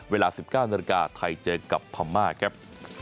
เวลา๑๙นไทยเจอกับพม่าครับ